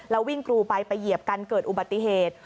แล้ววิ่งกรูไปไปเหยียบกันเกิดอุบัติเหตุ